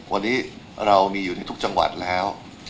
วันนี้เรามีอยู่ในทุกจังหวัดแล้ว